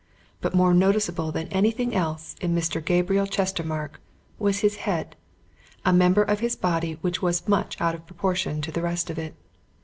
But more noticeable than anything else in Mr. Gabriel Chestermarke was his head, a member of his body which was much out of proportion to the rest of it.